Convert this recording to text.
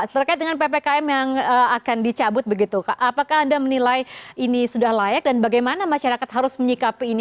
terkait dengan ppkm yang akan dicabut begitu apakah anda menilai ini sudah layak dan bagaimana masyarakat harus menyikapi ini